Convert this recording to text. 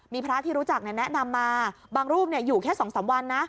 มีพระที่รู้จักแนะนำมาบางรูปอยู่แค่๒๓วันนะ